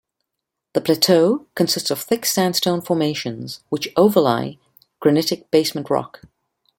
The plateau consists of thick sandstone formations which overlie granitic basement rock.